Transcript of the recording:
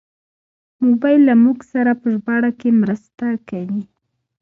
موبایل له موږ سره په ژباړه کې مرسته کوي.